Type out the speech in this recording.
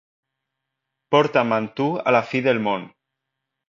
Porta'm amb tu a la fi del mon.